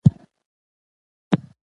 تاسي باید د خپلو اتلانو نومونه په یاد ولرئ.